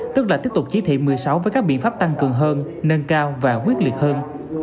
tức là tiếp tục chỉ thị một mươi sáu với các biện pháp tăng cường hơn nâng cao và quyết liệt hơn